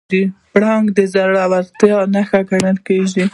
پړانګ د زړورتیا نښه ګڼل کېږي.